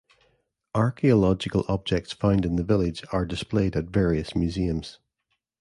Archaeological objects found in the village are displayed at various museums.